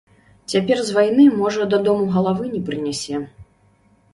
Цяпер з вайны, можа, дадому галавы не прынясе.